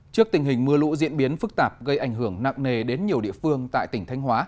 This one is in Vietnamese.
trước tình hình mưa lũ diễn biến phức tạp gây ảnh hưởng nặng nề đến nhiều địa phương tại tỉnh thanh hóa